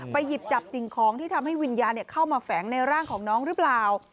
หยิบจับสิ่งของที่ทำให้วิญญาณเข้ามาแฝงในร่างของน้องหรือเปล่า